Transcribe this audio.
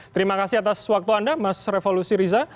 terima kasih atas waktu anda mas revo lusi riza